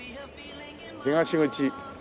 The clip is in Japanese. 東口。